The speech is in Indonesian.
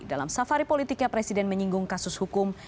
dalam safari politiknya presiden menyinggung kasus hukum